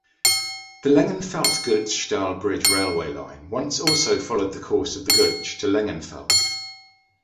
The Lengenfeld – Göltzschtal bridge railway line once also followed the course of the Göltzsch to Lengenfeld.